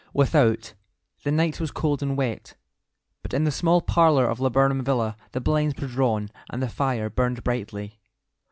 Without, the night was cold and wet, but in the small parlour of Laburnam Villa the blinds were drawn and the fire burned brightly.